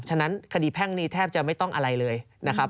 ฉะนั้นคดีแพ่งนี้แทบจะไม่ต้องอะไรเลยนะครับ